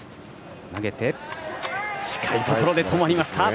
近いところで止まりました。